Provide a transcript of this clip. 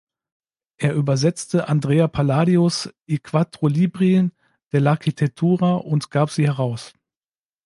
Er übersetzte Andrea Palladios "I quattro libri dell’architettura" und gab sie heraus.